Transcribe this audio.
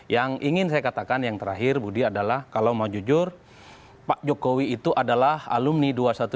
yang ingin saya katakan yang terakhir budi adalah kalau mau jujur pak jokowi itu adalah alumni dua ratus dua belas